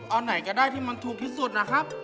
เอาไหนก็ได้ที่มันถูกที่สุดนะครับ